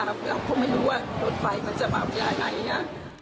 เราคงไม่รู้ว่ารถไฟมันจะมาอยู่อย่างไรนี่ค่ะ